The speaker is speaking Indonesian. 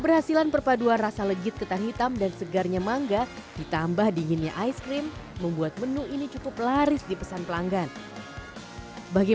beri teman teman wawas digitu ternyata masih udh terima kasih dari saya unas pastinya kommtong kembali